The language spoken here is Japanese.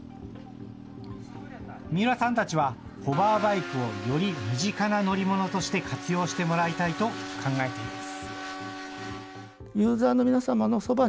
三浦さんたちは、ホバーバイクをより身近な乗り物として活用してもらいたいと考えています。